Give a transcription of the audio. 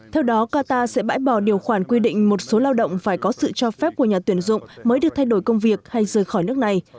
theo đó qatar sẽ bãi bỏ điều khoản quy định một số lao động phải có sự cho phép của nhà tuyển dụng mới được thay đổi công việc hay rời khỏi nước này